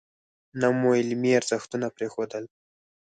نه مو علمي ارزښتونه پرېښودل.